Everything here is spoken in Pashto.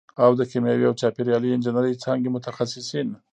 او د کیمیاوي او چاپېریالي انجینرۍ څانګې متخصصین